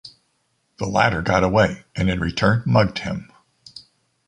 The latter got away, and in return mugged him.